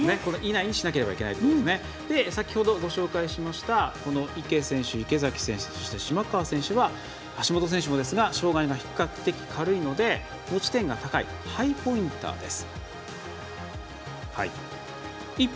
先ほどご紹介した池選手、池崎選手そして、島川選手橋本選手もですが障がいが比較的軽いので持ち点が高いハイポインターです。